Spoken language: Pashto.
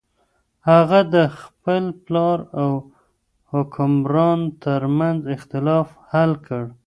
هغه د خپل پلار او حکمران تر منځ اختلاف حل کړ.